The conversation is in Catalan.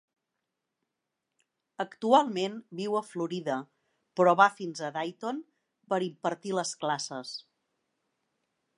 Actualment viu a Flòrida, però va fins a Dayton per impartir les classes.